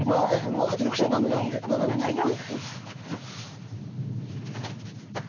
８六飛車は駄目なんで７四歩突いて。